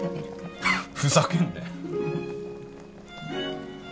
フッふざけんなよ。